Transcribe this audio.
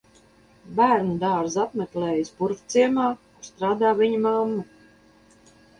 Bērnudārzu apmeklējis Purvciemā, kur strādā viņa mamma.